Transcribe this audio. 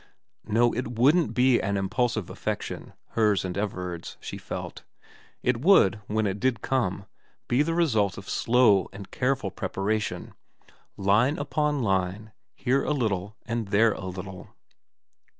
No, it wouldn't be an impulsive affection, hers and Everard's, she felt ; it would, when it did come, be the result of slow and careful preparation, line upon line, here a little and there a little.